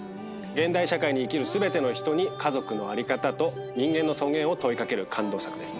現代社会に生きる全ての人に家族の在り方と人間の尊厳を問い掛ける感動作です。